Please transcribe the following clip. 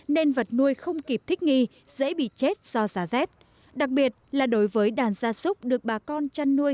nên vật nuôi không kịp thích nghi dễ bị chết do giá rét đặc biệt là đối với đàn gia súc được bà con chăn nuôi